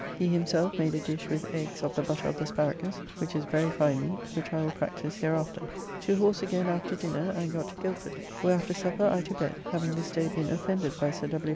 He himself made a dish with eggs of the butter of the Sparagus, which is very fine meat, which I will practise hereafter. To horse again after dinner, and got to Gilford, where after supper I to bed, having this day been offended by Sir W.